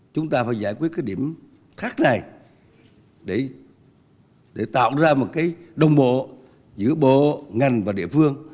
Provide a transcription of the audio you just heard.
chúng ta phải giải quyết cái điểm khác này để tạo ra một cái đồng bộ giữa bộ ngành và địa phương